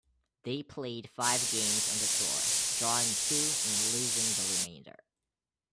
They played five games on the tour, drawing two and losing the remainder.